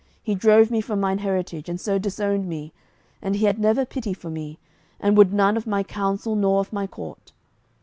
He drove me from mine heritage, and so disowned me, and he had never pity for me, and would none of my council nor of my court.